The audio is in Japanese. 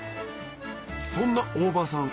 そんな大場さん